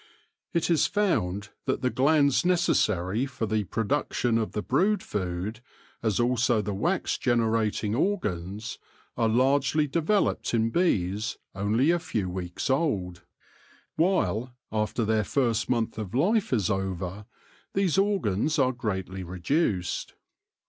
It is found that the glands necessary for the pro duction of the brood food, as also the wax genera ting organs, are largely developed in bees only a few 98 THE LORE OF THE HONEY BEE weeks old, while, after their first month of life is over, these organs are greatly reduced.